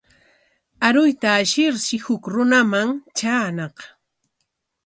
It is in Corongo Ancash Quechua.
Aruyta ashirshi huk runaman traañaq.